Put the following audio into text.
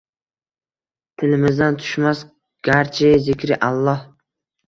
Tilimizdan tushmas garchi zikri Аlloh